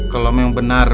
kalau memang benar